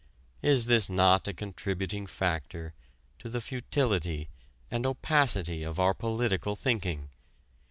Is this not a contributing factor to the futility and opacity of our political thinking?